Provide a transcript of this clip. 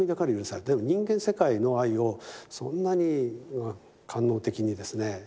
でも人間世界の愛をそんなに官能的にですね